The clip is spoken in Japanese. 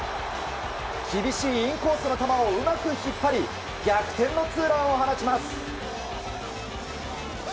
厳しいインコースの球をうまく引っ張り逆転のツーランを放ちます。